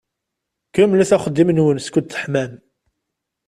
Kemmlet axeddim-nwen skud teḥmam.